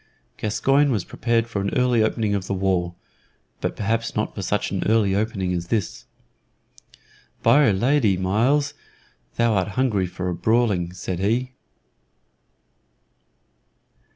Gascoyne was prepared for an early opening of the war, but perhaps not for such an early opening as this. "By 'r Lady, Myles, thou art hungry for brawling," said he.